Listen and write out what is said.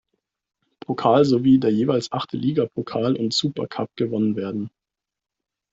Pokal sowie der jeweils achte Ligapokal und Supercup gewonnen werden.